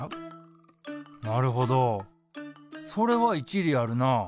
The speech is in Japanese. なるほどそれは一理あるなあ。